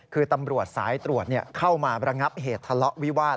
คือตำรวจสายตรวจเข้ามาระงับเหตุทะเลาะวิวาส